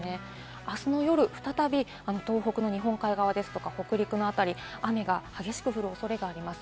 あすの夜、再び東北の日本海側ですとか北陸あたり、雨が激しく降るおそれがあります。